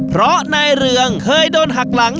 เพราะนายเรืองเคยโดนหักหลัง